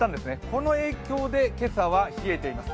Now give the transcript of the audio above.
この影響で今朝は冷えています。